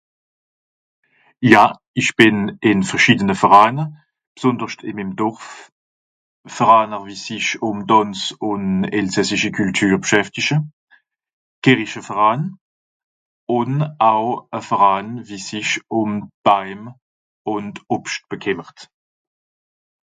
Ja, ìch bìn ìn verschiedene Veraaner, bsùnderscht ì mim Dorf. Veraaner, wie sich ùm Tànz ùn elsässische Kültür bschäftische, Kìrrische Veraan, ùn au e Veraan, wie sich ùm Baim ùnd Obscht bekìmmert.